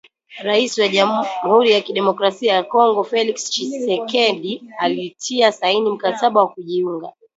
Rais wa Jamhuri ya kidemokrasia ya Kongo Felix Tchisekedi alitia saini mkataba wa kujiunga.